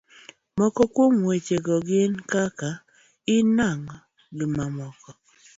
moko kuom weche go gin kaka; in nang'o? gimamoko